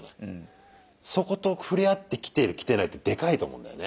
そこと触れ合ってきてるきてないってでかいと思うんだよね。